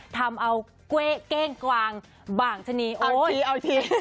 ทำเอาเก้งกวางบางชนี